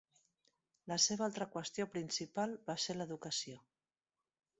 La seva altra qüestió principal va ser l'educació.